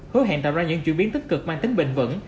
hứa hẹn tạo ra những chuyển biến tích cực mang tính bền vững